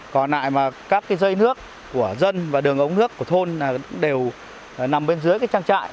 còn lại mà các cái dây nước của dân và đường ống nước của thôn đều nằm bên dưới trang trại